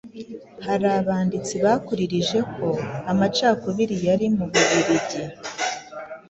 Hari abanditsi bakuririje ko amacakubiri yari mu Bubiligi